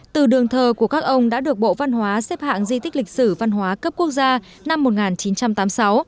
từ đường thờ của các ông đã được bộ văn hóa xếp hạng di tích lịch sử văn hóa cấp quốc gia năm một nghìn chín trăm tám mươi sáu